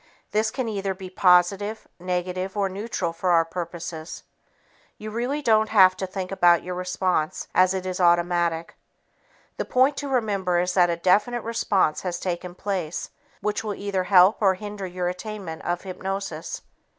This can either be positive, negative, or neutral for our purposes. You really don't have to think about your response as it is automatic. The point to remember is that a definite response has taken place which will either help or hinder your attainment of hypnosis.